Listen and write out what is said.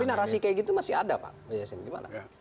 tapi narasi kayak gitu masih ada pak yasin gimana